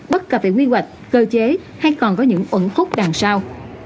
bất cập về quy hoạch cơ chế hay còn có những ẩn khúc đằng sau